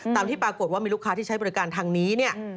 ที่ปรากฏว่ามีลูกค้าที่ใช้บริการทางนี้เนี่ย